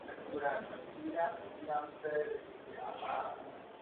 O záštitu požádal arcivévodu Ludvíka Salvátora Toskánského.